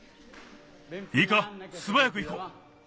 いいかすばやくいこう。